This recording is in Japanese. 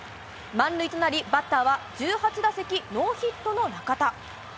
満塁となり、バッターは１８打席ノーヒットの中田。